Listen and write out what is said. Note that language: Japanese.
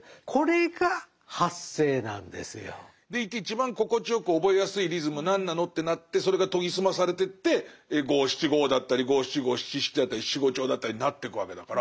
でいて一番心地よく覚えやすいリズムは何なのってなってそれが研ぎ澄まされてって五・七・五だったり五・七・五・七・七だったり七五調だったりになってくわけだから。